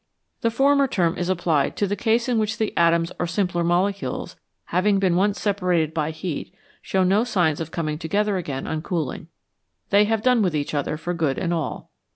The former term is applied to the case in which the atoms or simpler molecules, having been once separated by heat, show no signs of coming together again on cooling ; they have done with each other for good and all.